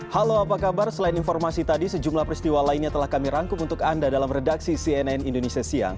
halo apa kabar selain informasi tadi sejumlah peristiwa lainnya telah kami rangkum untuk anda dalam redaksi cnn indonesia siang